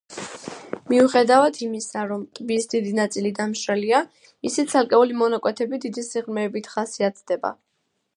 მიუხედავად იმისა, რომ ტბის დიდი ნაწილი დამშრალია, მისი ცალკეული მონაკვეთები დიდი სიღრმეებით ხასიათდება.